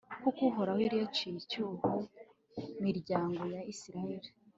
kuko uhoraho yari yaciye icyuho mu miryango ya israheli